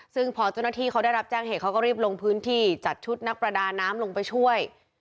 ซึ่งพอเจ้าหน้าที่เขาได้รับแจ้งเหตุเขาก็รีบลงพื้นที่จัดชุดนักประดาน้ำลงไปช่วย